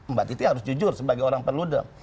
mbak titi harus jujur sebagai orang perludem